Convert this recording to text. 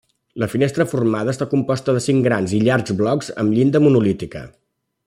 La finestra formada està composta de cinc grans i llargs blocs amb llinda monolítica.